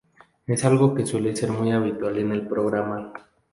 Es algo que suele ser muy habitual en el programa.